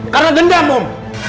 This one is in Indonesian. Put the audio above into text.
karena dendam om